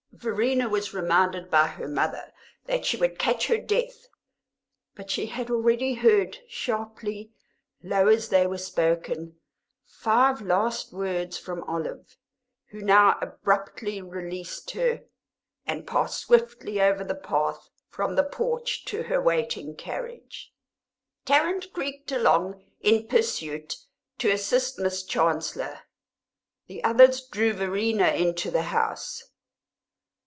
Verena was reminded by her mother that she would catch her death, but she had already heard sharply, low as they were spoken, five last words from Olive, who now abruptly released her and passed swiftly over the path from the porch to her waiting carriage. Tarrant creaked along, in pursuit, to assist Miss Chancellor; the others drew Verena into the house.